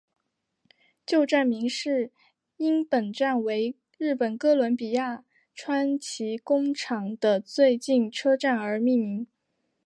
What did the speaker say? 旧站名是因本站为日本哥伦比亚川崎工厂的最近车站而命名。